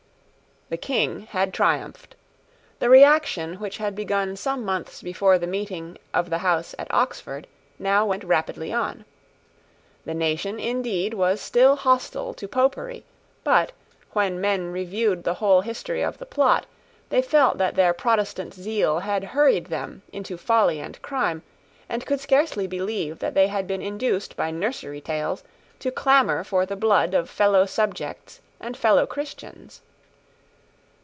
The King had triumphed. The reaction, which had begun some months before the meeting of the House at Oxford, now went rapidly on. The nation, indeed, was still hostile to Popery: but, when men reviewed the whole history of the plot, they felt that their Protestant zeal had hurried them into folly and crime, and could scarcely believe that they had been induced by nursery tales to clamour for the blood of fellow subjects and fellow Christians.